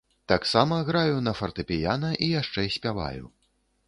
Таксама граю на фартэпіяна і яшчэ спяваю.